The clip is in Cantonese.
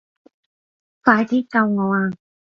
快啲救我啊